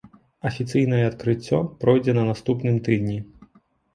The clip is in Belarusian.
Афіцыйнае адкрыццё пройдзе на наступным тыдні.